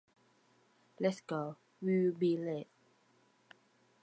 Let’s go! We will be late.